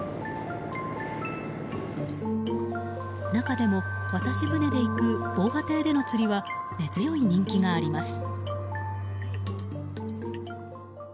中でも、渡し船で行く防波堤での釣りが根強い人気があります。